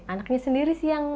anaknya sendiri sih yang